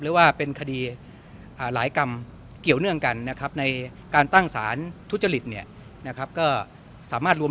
หรือว่าเป็นคดีหลายกรรมเกี่ยวเนื่องกันนะครับในการตั้งสารทุจริตเนี่ยนะครับก็สามารถรวม